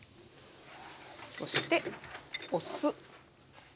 そしてお酢。